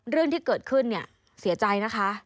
เรื่องที่เกิดขึ้นเนี่ยเสียใจนะคะ